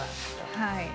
はい。